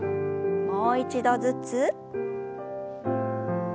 もう一度ずつ。